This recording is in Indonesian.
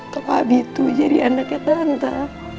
kalo abie itu jadi anaknya tante